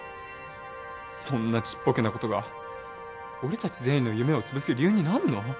そんなちっぽけなことが俺達全員の夢を潰す理由になんの？